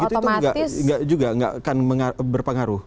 itu juga nggak akan berpengaruh